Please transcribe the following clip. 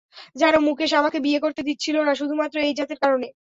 জানো, মুকেশ আমাকে বিয়ে করতে দিচ্ছিলো না, শুধুমাত্র এই জাতের কারণে।